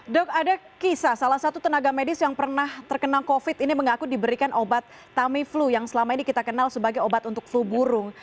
dok ada kisah salah satu tenaga medis yang pernah terkena covid ini mengaku diberikan obat tamiflu yang selama ini kita kenal sebagai obat untuk flu burung